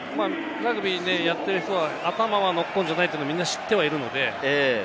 ラグビーやってる人は頭はノックオンじゃないって、みんな知ってはいるので。